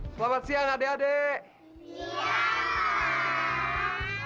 selamat siang adik adik